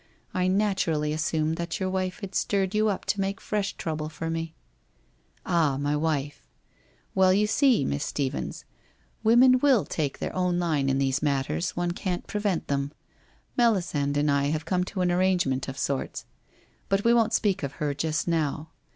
I naturally as sumed that your wife had stirred you up to make fresh trouble for me/ 'Ah, my wife. ... Well, you see, Miss Stephens, women will take their own line in these matters, one can't prevent them. Melisande and I have come to an arrange ment of sorts. But we won't speak of her just now.